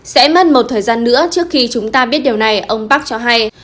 sẽ mất một thời gian nữa trước khi chúng ta biết điều này ông park cho hay